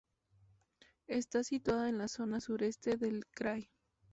Está situada en la zona sureste del "krai".